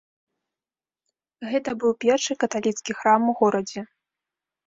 Гэта быў першы каталіцкі храм у горадзе.